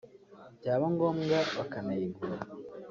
byaba ngombwa bakanayigura